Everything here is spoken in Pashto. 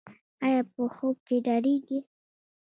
ایا په خوب کې ډاریږي؟